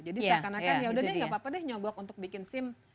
jadi seakan akan yaudah deh gak apa apa deh nyogok untuk bikin sim